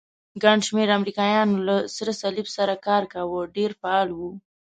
ګڼ شمېر امریکایانو له سرې صلیب سره کار کاوه، ډېر فعال وو.